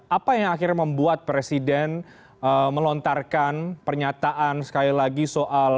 apa yang akhirnya membuat presiden melontarkan pernyataan sekali lagi soal